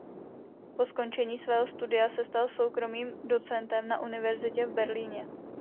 Po skončení svého studia se stal soukromým docentem na univerzitě v Berlíně.